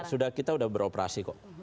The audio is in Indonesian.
sudah kita sudah beroperasi kok